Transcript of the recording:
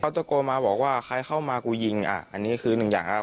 ตะโกนมาบอกว่าใครเข้ามากูยิงอ่ะอันนี้คือหนึ่งอย่างแล้ว